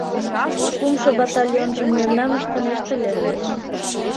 Кумшо батальонжым мемнам ыштынешт ыле.